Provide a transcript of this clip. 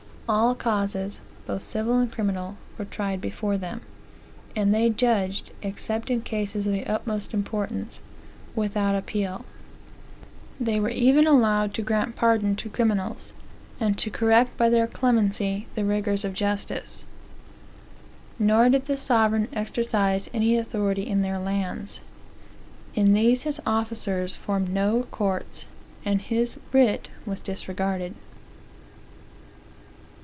All causes, both civil and criminal, were tried before them; and they judged, except in cases of the utmost importance, without appeal. They were even allowed to grant pardon to criminals, and to correct by their clemency the rigors of justice. Nor did the sovereign exercise any authority in their lands. In these his officers formed no courts, and his writ was disregarded.